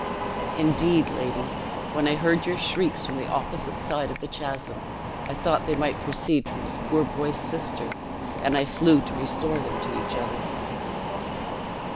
Indeed, lady, when I heard your shrieks from the opposite side of the chasm, I thought they might proceed from this poor boy's sister, and I flew to restore them to each other."